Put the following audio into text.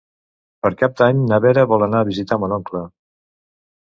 Per Cap d'Any na Vera vol anar a visitar mon oncle.